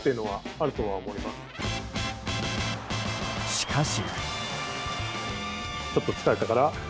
しかし。